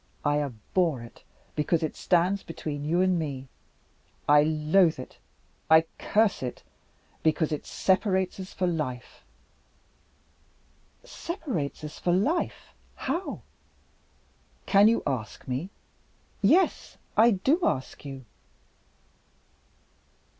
I abhor it because it stands between you and me. I loathe it, I curse it because it separates us for life." "Separates us for life? How?" "Can you ask me?" "Yes, I do ask you!"